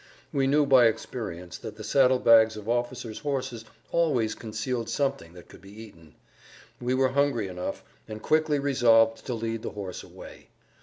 We knew by experience that the saddle bags of officers' horses always concealed something that could be eaten. We were hungry enough, and quickly resolved to lead the horse away.